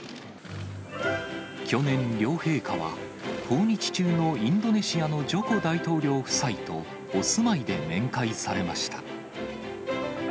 去年、両陛下は、訪日中のインドネシアのジョコ大統領夫妻とお住まいで面会されました。